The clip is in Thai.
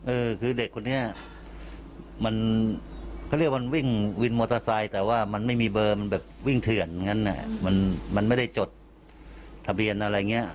เออคือเด็กคนนี้มันเขาเรียกว่ามันวิ่งวินมอเตอร์ไซค์แต่ว่ามันไม่มีเบอร์มันแบบวิ่งเถื่อนงั้นมันไม่ได้จดทะเบียนอะไรอย่างนี้